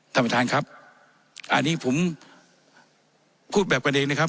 ท่านประธานครับอันนี้ผมพูดแบบกันเองนะครับ